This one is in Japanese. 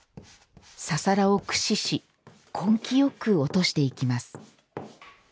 ササラを駆使し根気よく落としていきます。